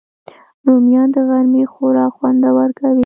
رومیان د غرمې خوراک خوندور کوي